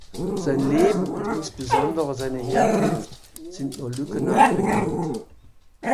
Sein Leben und insbesondere seine Herkunft sind nur lückenhaft bekannt.